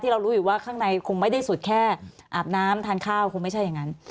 เรารู้อยู่ว่าข้างในคงไม่ได้สุดแค่อาบน้ำทานข้าวคงไม่ใช่อย่างนั้น